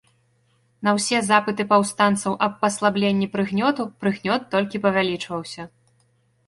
На ўсе запыты паўстанцаў аб паслабленні прыгнёту, прыгнёт толькі павялічваўся.